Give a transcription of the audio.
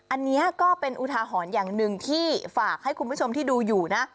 อันนี้ก็เป็นอุทาหรณ์อย่างหนึ่งที่ฝากให้คุณผู้ชมที่ดูอยู่นะ